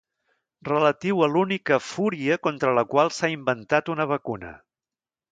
Relatiu a l'única fúria contra la qual s'ha inventat una vacuna.